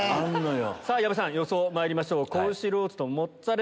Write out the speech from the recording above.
さぁ矢部さん予想まいりましょう。